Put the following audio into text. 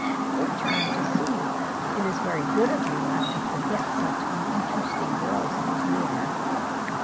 "We're charmed to see you. It is very good of you not to forget such uninteresting girls as we are."